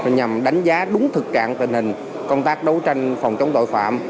nhằm đánh giá đúng thực trạng tình hình công tác đấu tranh phòng chống tội phạm